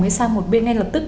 mới sang một bên ngay lập tức